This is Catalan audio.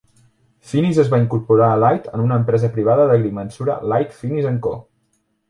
Finniss es va incorporar a Light en una empresa privada d'agrimensura "Light, Finniss and Co".